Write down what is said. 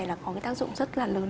là có cái tác dụng rất là lớn